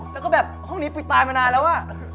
แล้วก็แบบห้องนี้ปุ๋ยตายมานานแล้วอะ